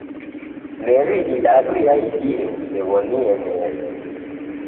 Meri idadu yaidie usew'onie meri.